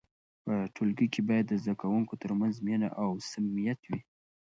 په ټولګي کې باید د زده کوونکو ترمنځ مینه او صمیمیت وي.